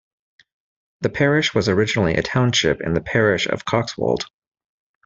The parish was originally a township in the parish of Coxwold.